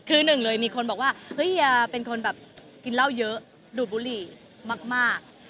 คือหนึ่งเลยมีคนบอกว่าเฮ้ยเฮียเป็นคนแบบกินเหล้าเยอะดูดบุหรี่มาก